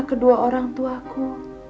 dosa kedua orang tuaku